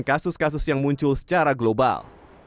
kasus kasus yang muncul secara global